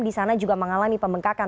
di sana juga mengalami pembengkakan